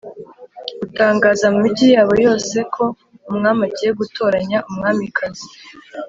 gutangaza mu migi yabo yose ko umwami agiye gutoranya umwamikazi